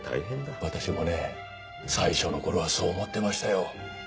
私もね最初の頃はそう思ってましたよ。